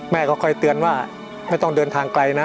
แม่ก็คอยเตือนว่าไม่ต้องเดินทางไกลนะ